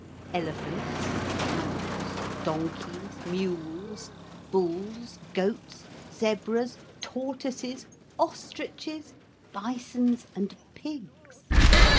Elephants, camels, donkeys, mules, bulls, goats, zebras, tortoises, ostriches, bisons, and pigs.